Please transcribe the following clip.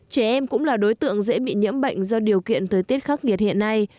trẻ em cũng là đối tượng dễ bị nhiễm bệnh do điều kiện thời tiết khắc nghiệt hiện nay